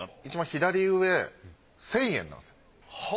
いちばん左上１０００円なんですよ。